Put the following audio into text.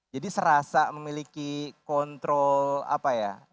jadi serasa memiliki kontrol apa ya